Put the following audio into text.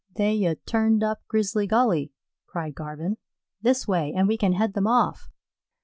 "They 'ye turned up Grizzly Gully," cried Garvin. "This way, and we can head them off."